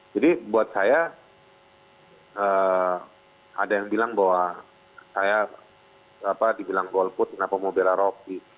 jadi buat saya ada yang bilang bahwa saya dibilang golput kenapa mau bela rocky